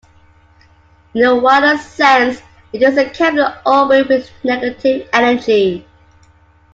In a wider sense, it is a Kepler orbit with negative energy.